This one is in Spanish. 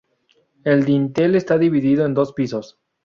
El dintel está dividido en dos pisos.